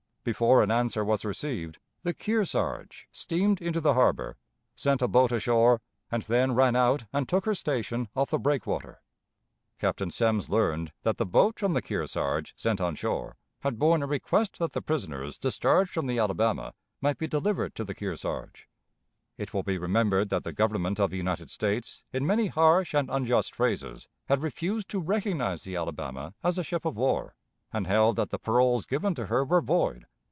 Before an answer was received, the Kearsarge steamed into the harbor, sent a boat ashore, and then ran out and took her station off the breakwater. Captain Semmes learned that the boat from the Kearsarge sent on shore had borne a request that the prisoners discharged from the Alabama might be delivered to the Kearsarge. It will be remembered that the Government of the United States, in many harsh and unjust phrases, had refused to recognize the Alabama as a ship of war, and held that the paroles given to her were void.